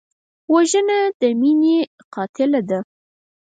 وژنه د مینې قاتله ده